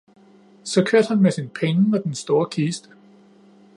Så kørte han med sine penge og den store kiste.